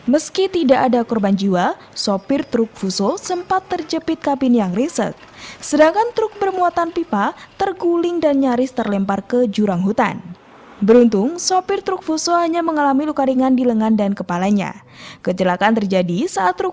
meski tidak ada korban jiwa mujiono tetap menangis sejadi jadinya